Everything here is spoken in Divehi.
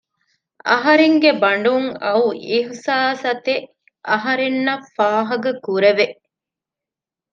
އަހަރެންގެ ބަނޑުން އައު އިޙްސާސާތެއް އަހަރެންނަށް ފާހަގަ ކުރެވެ